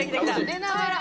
出ながら。